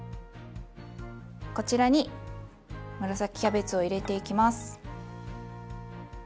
こちらに紫キャベツを入れていきます。